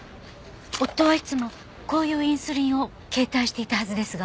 夫はいつもこういうインスリンを携帯していたはずですが。